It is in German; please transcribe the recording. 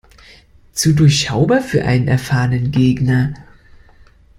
Zu durchschaubar für einen erfahrenen Gegner.